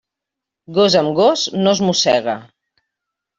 Gos amb gos, no es mossega.